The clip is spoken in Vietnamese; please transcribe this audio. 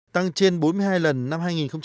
tăng trên bốn mươi hai lần năm hai nghìn bốn